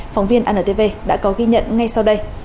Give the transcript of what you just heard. phóng viên antv đã có ghi nhận ngay sau đây